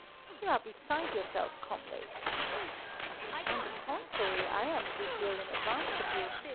You are beside yourself, comrade." "On the contrary, I am a good deal in advance of you.